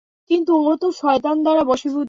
কিন্তু, ও তো শয়তান দ্বারা বশীভূত!